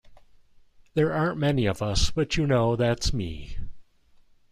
There aren't many of us, but you know, that's me.